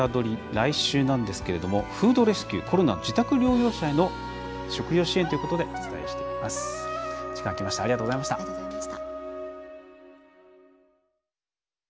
来週なんですけれどもフードレスキューコロナの自宅療養者への食料支援ということでお伝えしていきます。